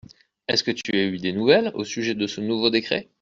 Est-ce que tu as eu des nouvelles au sujet de ce nouveau décret ?